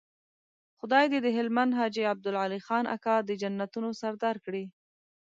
خدای دې د هلمند حاجي عبدالعلي خان اکا د جنتونو سردار کړي.